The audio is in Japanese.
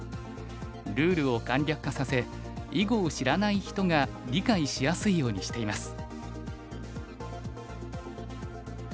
ルールを簡略化させ囲碁を知らない人が理解しやすいようにしています。